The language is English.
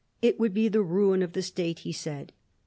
It would be the ruin of the State, he said.